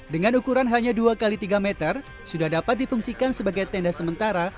dengan ukuran hanya dua x tiga meter sudah dapat difungsikan sebagai tenda sementara